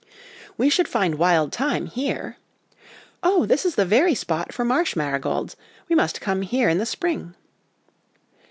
' We should find wild thyme here !'' Oh, this is the very spot for marsh marigolds ; we must come here in the spring.'